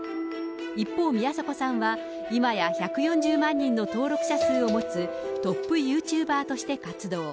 一方、宮迫さんは、いまや１４０万人の登録者数を持つトップユーチューバーとして活動。